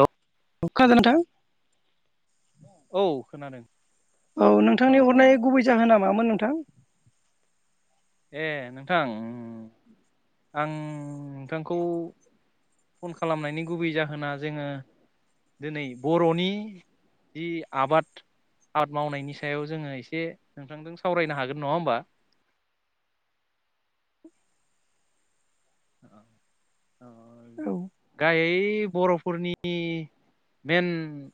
औ अ खोनादों नोंथां? औ खोनादों। औ अ नोंथांनि हरनाय गुबै जाहोना मामोन नोंथां? ए नोंथां ओम आं नोंथांखौ फन खालामनायनि गुबै जाहोना जोंङो दिनै बर'नि जि आबाद आबाद मावनायनि सायाव जोङो एसे नोंथांजों सावरायनो हागोन नङा होमबा। ओ औ ओइ बर'फोरनि मेन खाय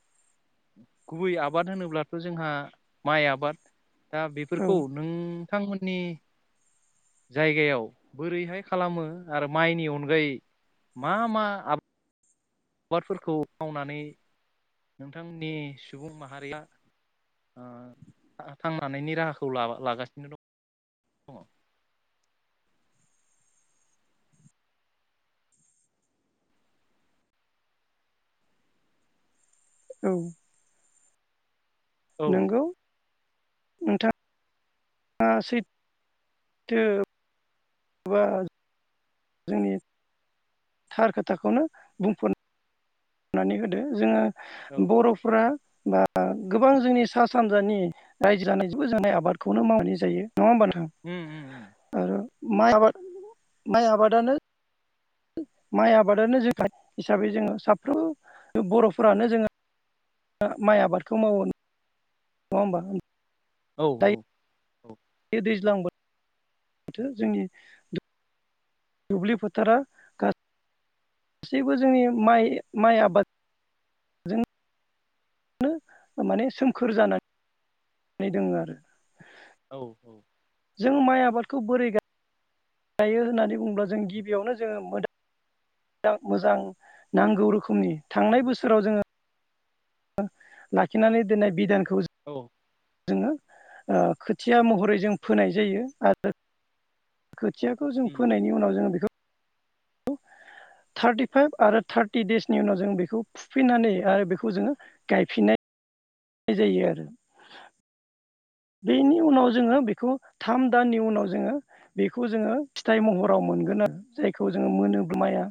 गुबै आबाद होनोब्लाथ' जोंहा माइ आबाद दा औ बेफोरखौ नोंथांमोननि जायगायाव बोरैहाय खालामो आरो माइनि अनगायै मा मा आ बादफोरखौ मावनानै नोंथांमोननि सुबुं माहारिया ओ थांनानैनि राहाखौ लागासिनो दं औ औ नंगौ नोंथाङा सै थो बा जोंनि थार खोथाखौनो बुंफ नानै होदो औ जोङो बरफोरा बा गोबां जोंनि सा सानजानि रायजो जानायजोंबो जोंनाय आबादखौनो मावनाय जायो नङा होमबा नोंथां उम उम उम आरो माइ आबाद माइ आबादानो माइ आबादानो जोख हिसाबै जोङो साफ्रोम बरफोरानो जोंङो माइ आबादखौ मावो नङा होमबा औ बे दैज्लां बोथोर जोंनि दुब्लि फोथारा गासैबो जोंनि माइ माइ आबाद माने सोमखोर जाना दोंङो आरो औ जों माइ आबादखौ बोरै गायो गायो होननानै बुङोब्ला जों गिबियावनो जोंङो मो मोजां मोजां नांगौ रोखोमनि थांनाय बोसोराव जोंङो लाखिनानै दोन्नाय बिधानखौ जों औ जोङो ओ खोथिया महरै जों फोनाय जायो आरो खोथियाखौ जों उम फोनायनि उनाव जोंङो बे थारटिफाइभ आरो थार्टि देसनि उनाव जों बेखौ फुफिन्नानै आरो बेखौ जोङो गायफिननाय जायो आरो। बेनि उनाव जोङो बेखौ थाम दाननि उनाव जोङो बेखौ जोङो महराव मोनगोन आरो जायखौ जोङो मोनो माया